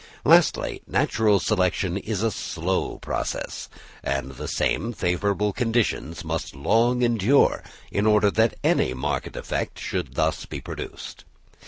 Lastly, natural selection is a slow process, and the same favourable conditions must long endure in order that any marked effect should thus be produced.